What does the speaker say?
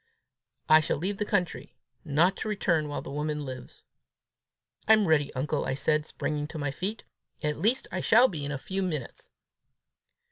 "I shall leave the country, not to return while the woman lives." "I'm ready, uncle," I said, springing to my feet; " at least I shall be in a few minutes!"